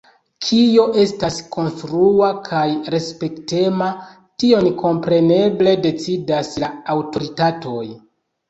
Kio estas “konstrua” kaj “respektema”, tion kompreneble decidas la aŭtoritatoj.